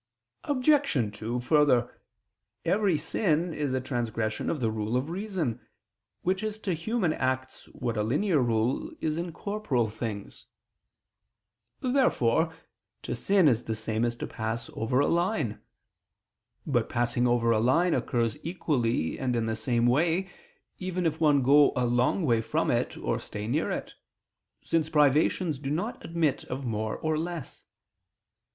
Obj. 2: Further, every sin is a transgression of the rule of reason, which is to human acts what a linear rule is in corporeal things. Therefore to sin is the same as to pass over a line. But passing over a line occurs equally and in the same way, even if one go a long way from it or stay near it, since privations do not admit of more or less.